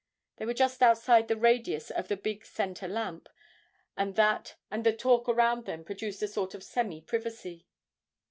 They were just outside the radius of the big centre lamp, and that and the talk around them produced a sort of semi privacy.